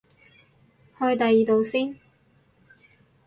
去第二度先